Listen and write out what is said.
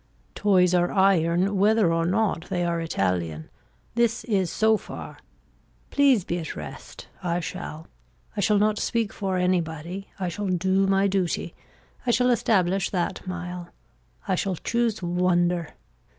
Toys are iron whether or not they are Italian. This is so far. Please be at rest. I shall. I shall not speak for anybody. I shall do my duty. I shall establish that mile. I shall choose wonder.